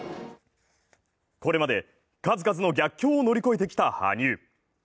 これまで数々の逆境を乗り越えてきた羽生。